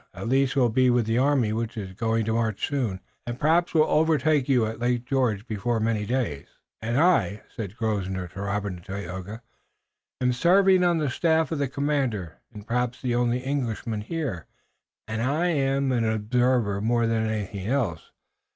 At least, we'll be with the army which is going to march soon, and perhaps we'll overtake you at Lake George before many days." "And I," said Grosvenor to Robert and Tayoga, "am serving on the staff of the commander. I'm perhaps the only Englishman here and I'm an observer more than anything else.